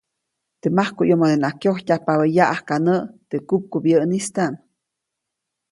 Teʼ majkuʼyomodenaʼk kyojtyajpabä yaʼajka näʼ teʼ kupkubyäʼnistaʼm.